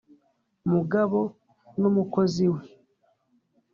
mugabo n’umukozi we